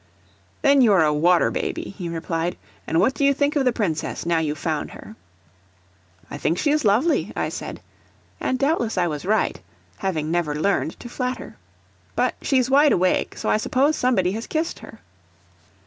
"Then you are a water baby," he replied. "And what do you think of the Princess, now you've found her?" "I think she is lovely," I said (and doubtless I was right, having never learned to flatter). "But she's wide awake, so I suppose somebody has kissed her!"